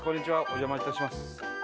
お邪魔いたします。